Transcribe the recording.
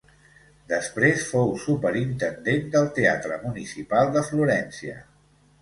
Després fou superintendent del teatre municipal de Florència.